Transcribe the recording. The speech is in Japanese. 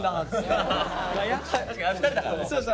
確かにあれ２人だからね。